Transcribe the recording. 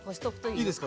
いいですか？